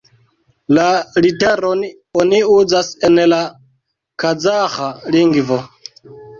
La literon oni uzas en la Kazaĥa lingvo.